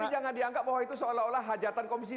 jadi jangan dianggap bahwa itu seolah olah hajatan komisi tiga